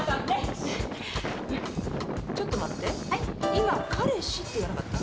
今「彼氏」って言わなかった？